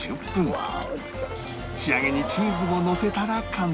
仕上げにチーズをのせたら完成